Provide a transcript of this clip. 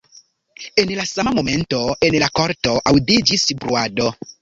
En la sama momento en la korto aŭdiĝis bruado.